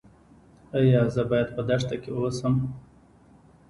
ایا زه باید په دښته کې اوسم؟